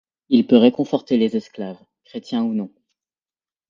Il peut réconforter les esclaves, chrétiens ou non.